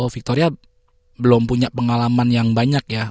victoria belum punya pengalaman yang banyak ya